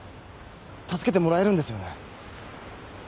助けてもらえるんですよね。